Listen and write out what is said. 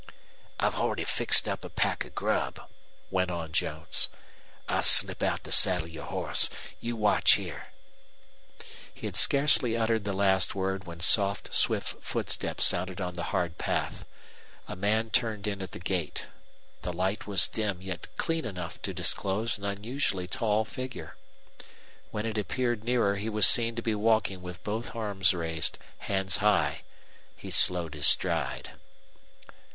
"I've already fixed up a pack of grub," went on Jones. "I'll slip out to saddle your horse. You watch here." He had scarcely uttered the last word when soft, swift footsteps sounded on the hard path. A man turned in at the gate. The light was dim, yet clean enough to disclose an unusually tall figure. When it appeared nearer he was seen to be walking with both arms raised, hands high. He slowed his stride.